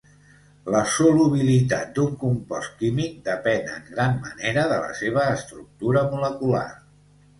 La solubilitat d'un compost químic depèn en gran manera de la seva estructura molecular.